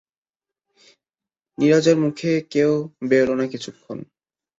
নীরজার মুখেও কথা বেরল না কিছুক্ষণ।